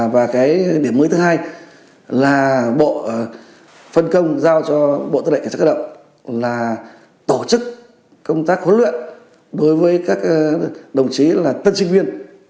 và cái điểm mới thứ hai là bộ phân công giao cho bộ tư lệnh cảnh sát cơ động là tổ chức công tác huấn luyện đối với các đồng chí là tân sinh viên